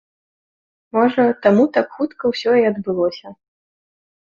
Можа, таму так хутка ўсё і адбылося.